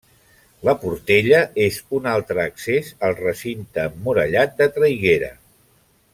La Portella és un altre accés al recinte emmurallat de Traiguera.